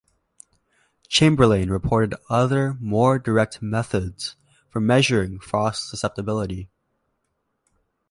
Chamberlain reported other, more direct methods for measuring frost susceptibility.